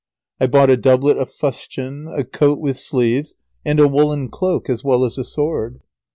I bought a doublet of fustian, a coat with sleeves, and a woollen cloak, as well as a sword.